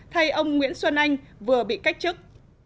thay ông nguyễn xuân anh vừa bị cách chức